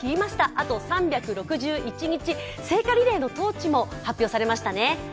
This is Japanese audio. あと３６１日、聖火リレーのトーチも発表されましたね。